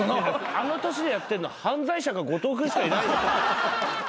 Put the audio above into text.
あの年でやってんの犯罪者か後藤君しかいないよ。